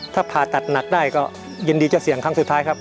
ถ้าผ่าตัดหนักได้ก็ยินดีจะเสี่ยงครั้งสุดท้ายครับ